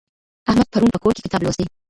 احمد پرون په کور کي کتاب لوستی.